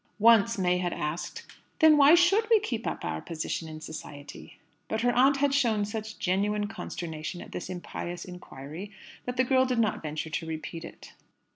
Once May had asked, "Then why should we keep up our position in society?" But her aunt had shown such genuine consternation at this impious inquiry, that the girl did not venture to repeat it.